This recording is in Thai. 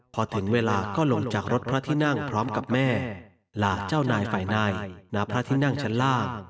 พอถึงเวลาก็ลงจากรถพระที่นั่งพร้อมกับแม่ลาเจ้านายฝ่ายนายณพระที่นั่งชั้นล่าง